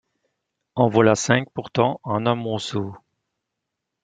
En voila cinq pourtant en un monceau.